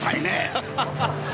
ハハハッ。